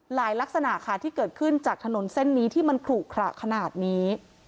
ลักษณะค่ะที่เกิดขึ้นจากถนนเส้นนี้ที่มันขลุขระขนาดนี้